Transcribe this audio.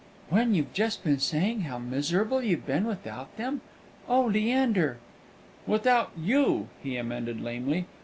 "When you've just been saying how miserable you've been without them. Oh, Leander!" "Without you," he amended lamely.